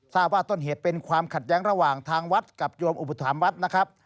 ทราบว่าต้นเหตุเป็นความขัดแย้งระหว่างทางวัดกับโยมอุปถามวัดนะครับ